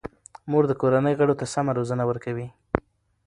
مور د کورنۍ غړو ته سمه روزنه ورکوي.